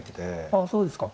あそうですか。